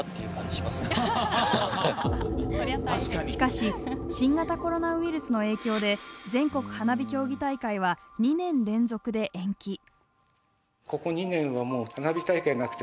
しかし新型コロナウィルスの影響で全国花火競技大会は２年連続で延期。